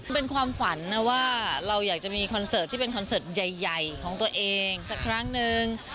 เป็นความฝันนะว่าเราอยากจะมีคอนเสิร์ตที่เป็นคอนเสิร์ตใหญ่ของตัวเองสักครั้งนึง